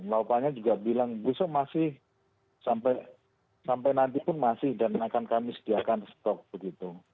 laupannya juga bilang besok masih sampai sampai nanti pun masih dan akan kamis dia akan stock begitu